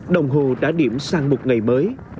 đồng hồ đã điểm sang một ngày mới